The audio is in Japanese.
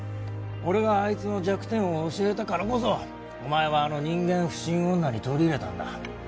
俺があいつの弱点を教えたからこそお前はあの人間不信女に取り入れたんだ。